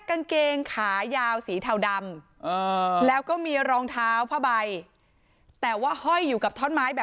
คุณศักดิ์สิทธิ์เข้าไปแล้วอันไหน